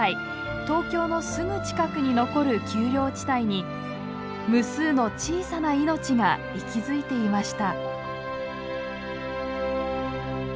東京のすぐ近くに残る丘陵地帯に無数の小さな命が息づいていました。